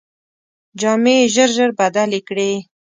جامې یې ژر ژر بدلې کړې.